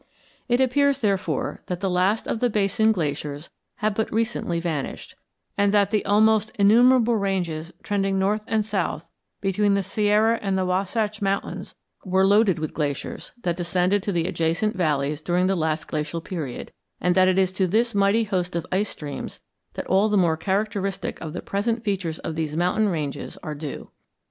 It appears, therefore, that the last of the basin glaciers have but recently vanished, and that the almost innumerable ranges trending north and south between the Sierra and the Wahsatch Mountains were loaded with glaciers that descended to the adjacent valleys during the last glacial period, and that it is to this mighty host of ice streams that all the more characteristic of the present features of these mountain ranges are due.